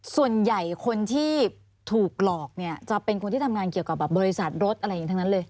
ส่วนใหญ่คนที่ถูกหลอกเนี่ยจะเป็นคนที่ทำงานเกี่ยวกับบริษัทรถอะไรอย่างนี้ทั้งนั้นเลย